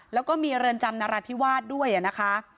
แล้วก็มีเรือนจำนราธิวาสด้วยนะคะ